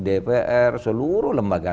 dpr seluruh lembaga